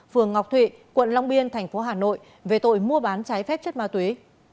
phường ngọc thụy quận long biên thành phố hà nội về tội mua bán trái phép chất ma túy